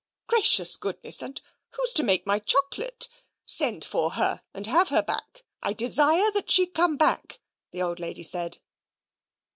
"Gracious goodness, and who's to make my chocolate? Send for her and have her back; I desire that she come back," the old lady said.